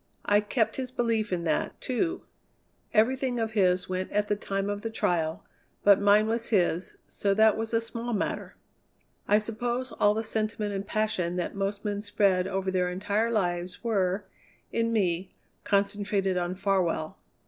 I kept his belief in that, too. Everything of his went at the time of the trial, but mine was his, so that was a small matter. I suppose all the sentiment and passion that most men spread over their entire lives were, in me, concentrated on Farwell.